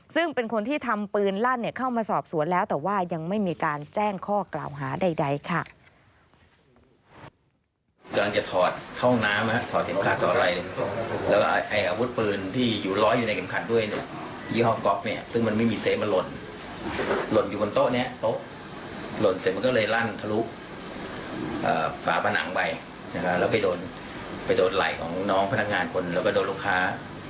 ซึ่งเป็นคนที่ทำปืนลั่นเข้ามาสอบสวนแล้วแต่ว่ายังไม่มีการแจ้งข้อกล่าวหาใดค่ะ